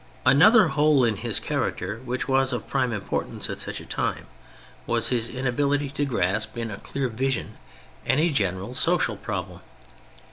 Another hole in his character, which was of prime importance at such a time, was his inability to grasp in a clear vision any general social problem.